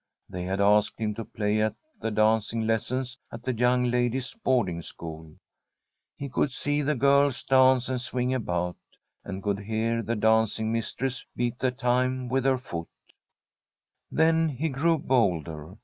They had asked him to play at the dancing lessons at the young ladies' boarding school. He could see the girls dance and swing about, and could hear the dancing mistress beat the time with her foot. [123I From a SWEDISH HOMESTEAD Then he grew bolder.